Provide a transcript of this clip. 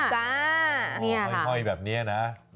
เฮ้ยแบบนี้นะ